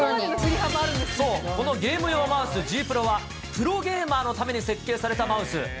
もう、そう、このゲーム用マウス、ＧＰＲＯは、プロゲーマーのために設計されたマウス。